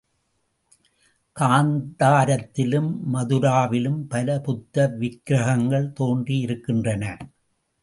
காந்தாரத்திலும் மதுராவிலும் பல புத்த விக்கிரஹங்கள் தோன்றியிருக்கின்றன.